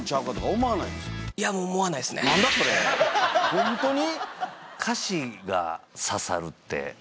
ホントに？